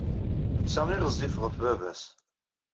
Netta i ɣezzif ɣef baba-s.